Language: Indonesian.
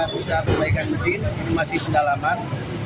kita perbaikan mesin ini masih pendalaman